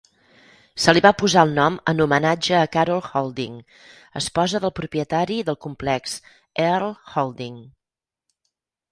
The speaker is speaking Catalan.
Se li va posar el nom en homenatge a Carol Holding, esposa del propietari del complex, Earl Holding.